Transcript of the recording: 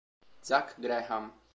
Zach Graham